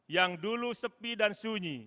yang dulu sepi dan sunyi